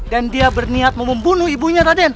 dan dia berniat mau membunuh ibunya raden